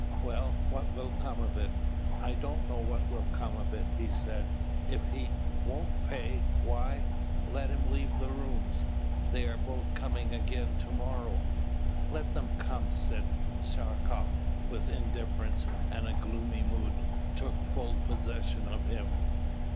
"Well, what will come of it?" "I don't know what will come of it: he said, 'If he won't pay, why, let him leave the rooms.' They are both coming again to morrow." "Let them come," said Tchartkoff, with indifference; and a gloomy mood took full possession of him.